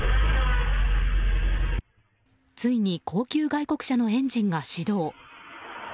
ついに高級外国車のエンジンが始動。